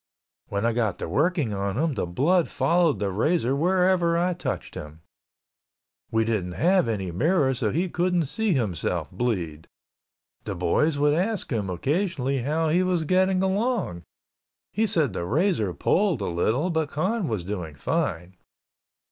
When I got to working on him, the blood followed the razor wherever I touched him. We didn't have any mirror so he couldn't see himself bleed. The boys would ask him occasionally how he was getting along, he said the razor pulled a little but Con was doing fine.